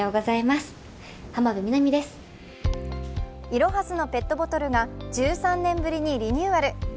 いろはすのペットボトルが１３年ぶりにリニューアル。